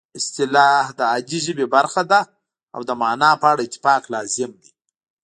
اصطلاح د عادي ژبې برخه ده او د مانا په اړه اتفاق لازم دی